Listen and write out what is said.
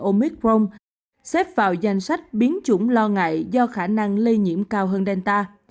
omicron xếp vào danh sách biến chủng lo ngại do khả năng lây nhiễm cao hơn delta